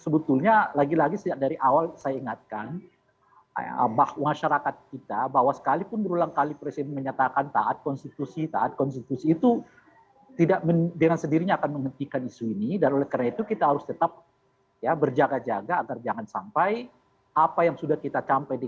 bagaimana kemudian ketika dikatakan